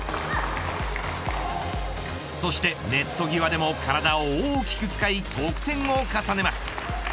そして、ネット際でも体を大きく使い得点を重ねます。